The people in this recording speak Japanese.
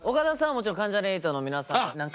もちろん関ジャニ∞の皆さん何回か。